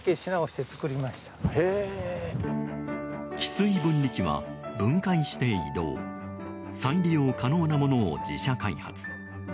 汽水分離器は、分解して移動再利用可能なものを自社開発。